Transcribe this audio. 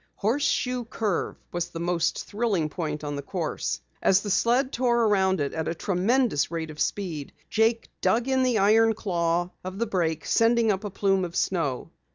Horseshoe Curve was the most thrilling point on the course. As the sled tore around it at a tremendous rate of speed, Jake dug in the iron claw of the brake, sending up a plume of snow.